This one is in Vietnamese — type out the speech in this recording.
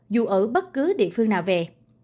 dù ở bất cứ địa phương nào về